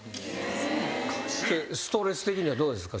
ストレス的にはどうですか？